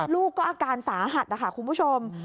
ลูกก็อาการสาหัสนะคะคุณผู้ชม